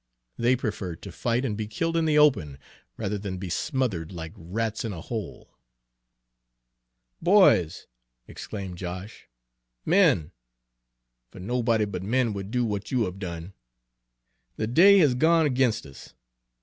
They preferred to fight and be killed in the open, rather than to be smothered like rats in a hole. "Boys!" exclaimed Josh, "men! fer nobody but men would do w'at you have done, the day has gone 'g'inst us.